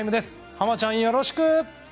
濱ちゃん、よろしく！